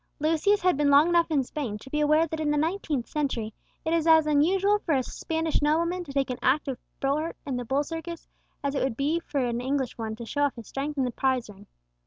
Lucius had been long enough in Spain to be aware that in the nineteenth century it is as unusual for a Spanish nobleman to take an active part in the bull circus, as it would be for an English one to show off his strength in the prize ring.